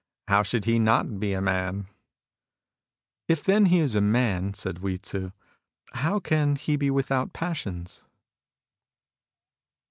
How should he not be a man ?"" If, then, he is a man," said Hui Tzu, " how can he be without passions